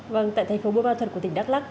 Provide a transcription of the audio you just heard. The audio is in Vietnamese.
vâng tại thành phố bộ ba thuật của tỉnh đắk lắc